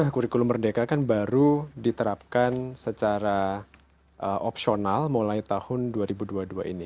kurikulum merdeka kan baru diterapkan secara opsional mulai tahun dua ribu dua puluh dua ini